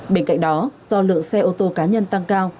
bên cạnh đó do lượng xe ô tô cá nhân tăng cao